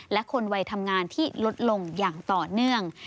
และคนวัยทำงานที่ลดลงอย่างต่อเนื่อง